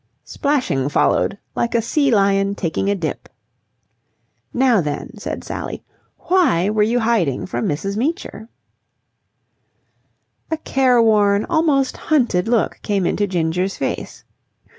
Splashing followed like a sea lion taking a dip. "Now, then," said Sally, "why were you hiding from Mrs. Meecher?" A careworn, almost hunted look came into Ginger's face.